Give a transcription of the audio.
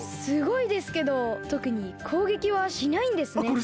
すごいですけどとくにこうげきはしないんですね。